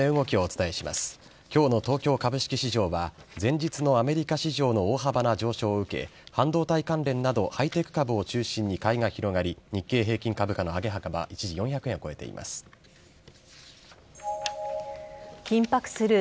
きょうの東京株式市場は、前日のアメリカ市場の大幅な上昇を受け、半導体関連などハイテク株を中心に買いが広がり、日経平均株価の上げ幅は一時４００円を超えています。